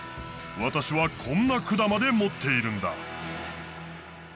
わたしはこんなくだまでもっているんだ。